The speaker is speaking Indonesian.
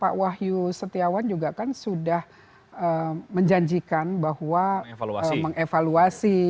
pak wahyu setiawan juga kan sudah menjanjikan bahwa mengevaluasi